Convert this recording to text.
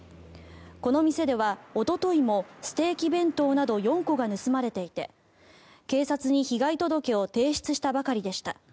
この店ではおとといもステーキ弁当など４個が盗まれていて警察に被害届を提出したばかりでした。